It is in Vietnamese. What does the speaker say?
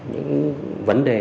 những vấn đề